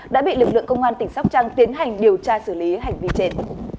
đã bị lực lượng công an tỉnh sóc trăng tiến hành điều tra xử lý hành vi trên